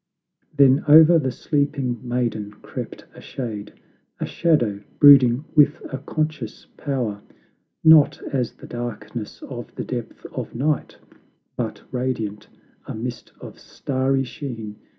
Then o'er the sleeping maiden crept a shade, A shadow brooding with a conscious power; Not as the darkness of the depth of night, But radiant, a mist of starry sheen.